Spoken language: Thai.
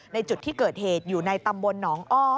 ในจุดที่เกิดเหตุอยู่ในตำบลหนองอ้อ